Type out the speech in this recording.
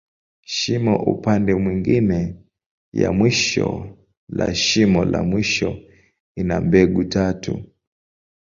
Shimo upande mwingine ya mwisho la shimo la mwisho, ina mbegu tatu.